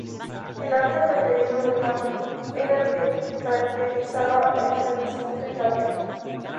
El arte preferido de Juan era el que caracterizaba al renacimiento italiano.